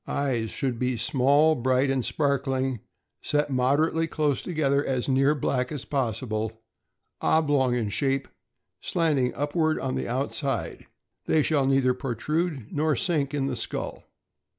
Eyes. — Should be small, bright, and sparkling, set mod erately close together, as near black as possible, oblong in shape, slanting upward on the outside; they shall neither protrude nor sink in the skull.